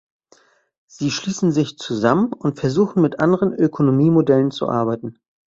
Sie schließen sich zusammen und versuchen mit anderen Ökonomie-Modellen zu arbeiten.